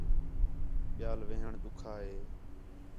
ٻِیال وین٘ہݨ ݙُکّھا ہِے